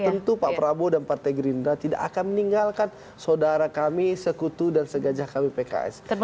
tentu pak prabowo dan partai gerindra tidak akan meninggalkan saudara kami sekutu dan segajah kami pks